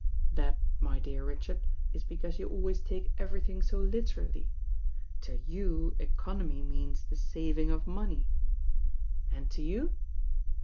"That, my dear Richard, is because you always take everything so literaUy. To you economy means the saving of money." "And to you?"